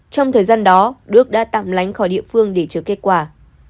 trong thời gian đó đức đã tạm lánh khỏi địa phương để chờ kết quả